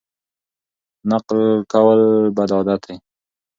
نقل کول بد عادت دی.